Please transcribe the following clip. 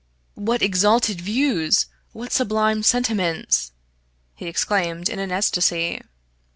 "What exalted views! What sublime sentiments!" he exclaimed in an ecstasy.